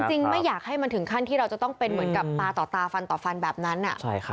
ไม่อยากให้มันถึงขั้นที่เราจะต้องเป็นเหมือนกับตาต่อตาฟันต่อฟันแบบนั้น